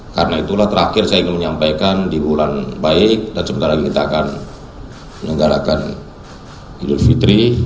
karena itulah terakhir saya ingin menyampaikan di bulan baik dan sebentar lagi kita akan menyalakan hidup fitri